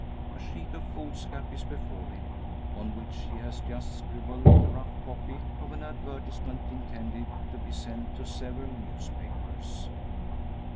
A sheet of foolscap is before him, on which he has just scribbled the rough copy of an advertisement intended to be sent to several newspapers.